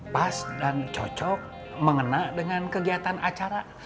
pas dan cocok mengena dengan kegiatan acara